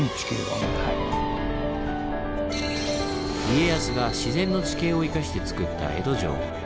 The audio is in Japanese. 家康が自然の地形を生かしてつくった江戸城。